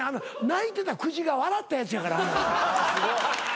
泣いてた久慈が笑ったやつやから。